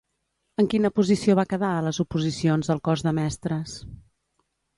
En quina posició va quedar a les oposicions al cos de mestres?